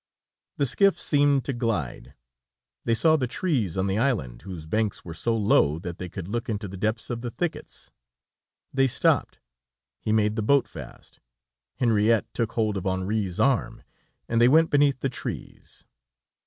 The skiff seemed to glide. They saw the trees on the island, whose banks were so low, that they could look into the depths of the thickets. They stopped, he made the boat fast, Henriette took hold of Henri's arm, and they went beneath the trees.